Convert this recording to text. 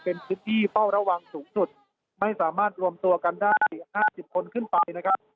เป็นพื้นที่เฝ้าระวังสูงสุดไม่สามารถรวมตัวกันได้๕๐คนขึ้นไปนะครับ